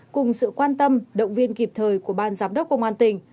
cùng sự quan tâm động viên kịp thời của ban giám đốc công an tỉnh